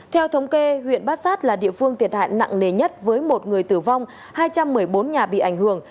theo thống kê huyện bát sát là địa phương thiệt hại nặng nề nhất với một người tử vong hai trăm một mươi bốn nhà bị ảnh hưởng